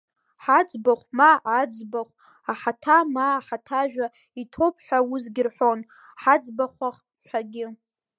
Ҳаӡбахә ма Аӡӡбахә Аҳаҭа ма Ҳаҭажәа иҭоуп ҳәа усгьы рҳәон, Ҳаӡӡбахәах ҳәагьы.